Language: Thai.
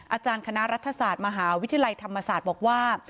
อาจารย์คณะรัฐศาสตร์มหาวิทยาลัยธรรมศาสตร์บอกว่า